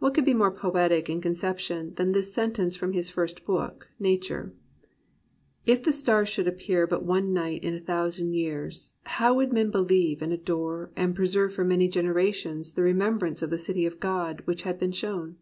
What could be more poetic in conception than this sentence from his first book. Nature ?" If the stars should appear but one night in a thousand years, how would men be lieve and adore and preserve for many generations the remembrance of the city of God which had been shown